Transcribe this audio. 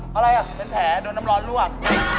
เพราะอะไรอ่ะเป็นแผลโดนน้ำร้อนลวก